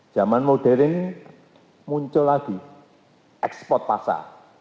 zaman modern muncul lagi ekspor pasar